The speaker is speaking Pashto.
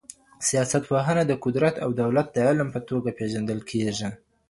سياستپوهنه د قدرت او دولت د علم په توګه پېژندل کېږي.